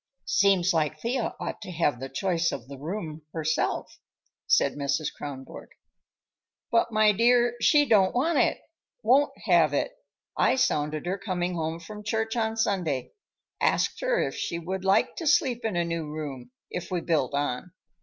"Seems like Thea ought to have the choice of the room, herself," said Mrs. Kronborg. "But, my dear, she don't want it. Won't have it. I sounded her coming home from church on Sunday; asked her if she would like to sleep in a new room, if we built on.